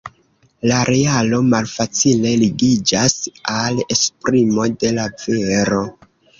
La realo malfacile ligiĝas al esprimo de la vero.